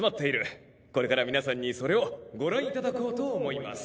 これから皆さんにそれをご覧いただこうと思います。